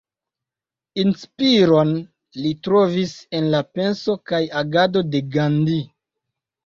Inspiron li trovis en la penso kaj agado de Gandhi.